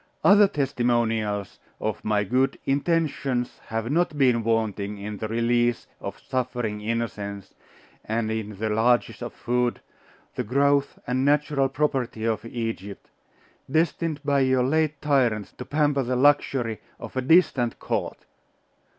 Other testimonials of my good intentions have not been wanting in the release of suffering innocence, and in the largess of food, the growth and natural property of Egypt, destined by your late tyrants to pamper the luxury of a distant court....